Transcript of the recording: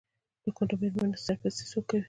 د کونډو میرمنو سرپرستي څوک کوي؟